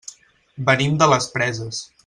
Venim de les Preses.